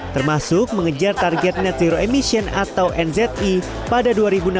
termasuk mengejar target net zero emission atau nzi pada dua ribu enam belas